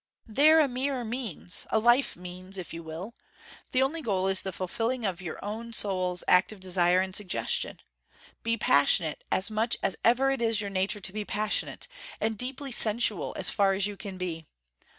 They're a mere means: a life means, if you will. The only goal is the fulfilling of your own soul's active desire and suggestion. Be passionate as much as ever it is your nature to be passionate, and deeply sensual as far as you can be.